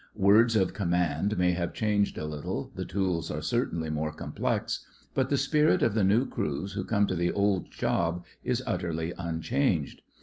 Words of command may have changed a little, the tools are certainly more complex, but the spirit of the new crews who come to the old job is utterly unchanged.